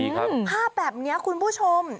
ดีครับภาพแบบนี้คุณผู้ชม